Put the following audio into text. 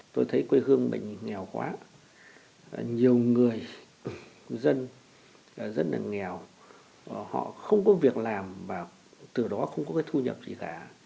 tôi thấy quê hương mình nghèo quá nhiều người dân rất là nghèo họ không có việc làm và từ đó không có cái thu nhập gì cả